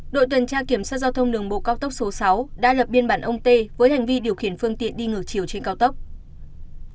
đội tuần tra kiểm soát giao thông đường bộ cao tốc số sáu đã lập biên bản ông tê với hành vi điều khiển phương tiện đi ngược chiều trên cao tốc